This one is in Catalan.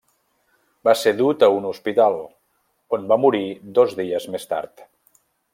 Va ser dut a un hospital, on va morir dos dies més tard.